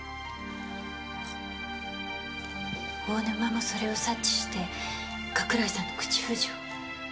大沼もそれを察知して加倉井さんの口封じを？